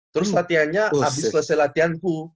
terus latihannya abis selesai latihan